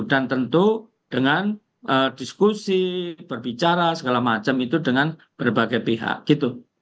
dan tentu dengan diskusi berbicara segala macam itu dengan berbagai pihak gitu